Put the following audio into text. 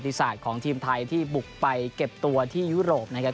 ศาสตร์ของทีมไทยที่บุกไปเก็บตัวที่ยุโรปนะครับ